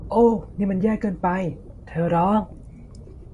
โอ้ นี่มัน แย่เกินไป ! เธอร้อง